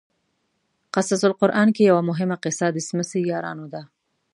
قصص القران کې یوه مهمه قصه د څمڅې یارانو ده.